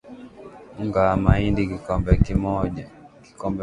Unga wa mahindi kikombe moja